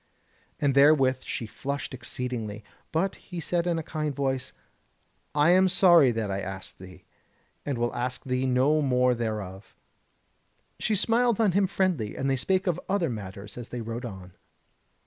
And therewith she flushed exceedingly. But he said in a kind voice: "I am sorry that I asked thee, and will ask thee no more thereof." She smiled on him friendly, and they spake of other matters as they rode on.